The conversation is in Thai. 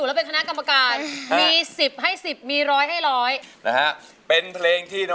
ช่วยกันอนุรักษ์วัฒนธรรมใคร